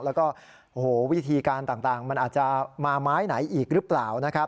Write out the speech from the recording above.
แล้วก็วิธีการต่างมันอาจจะมาไม้ไหนอีกหรือเปล่านะครับ